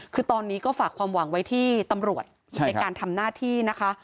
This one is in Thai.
คือตอนนี้ก็ฝากความหวังไว้ที่ตำรวจในการทำหน้าที่นะคะ